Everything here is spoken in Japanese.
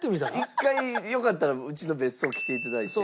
１回よかったらうちの別荘来ていただいて。